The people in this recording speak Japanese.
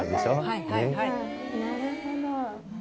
なるほど。